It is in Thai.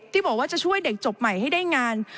ที่บอกว่าจะช่วยเด็กจบใหม่ให้ได้งาน